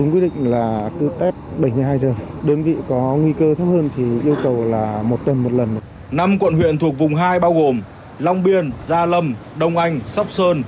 năm quận huyện thuộc vùng hai bao gồm long biên gia lâm đông anh sóc sơn